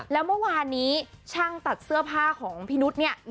แล้วเมื่อวานนี้ช่างตัดเสื้อผ้าของพี่นุษย์เนี่ย